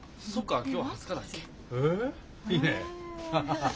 ハハハ。